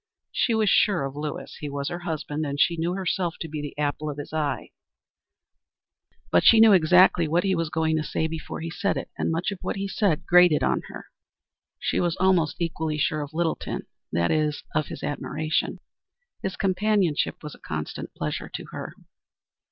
She was sure of Lewis. He was her husband and she knew herself to be the apple of his eye; but she knew exactly what he was going to say before he said it, and much of what he said grated on her. She was almost equally sure of Littleton; that is of his admiration. His companionship was a constant pleasure to her.